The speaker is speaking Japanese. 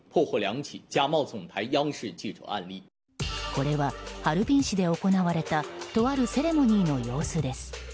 これはハルビン市で行われたとあるセレモニーの様子です。